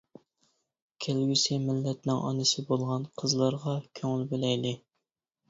كەلگۈسى مىللەتنىڭ ئانىسى بولغان قىزلارغا كۆڭۈل بۆلەيلى.